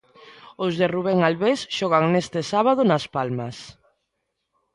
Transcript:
Os de Rubén Albés xogan este sábado nas Palmas.